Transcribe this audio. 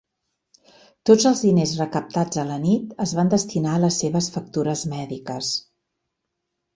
Tots els diners recaptats a la nit es van destinar a les seves factures mèdiques.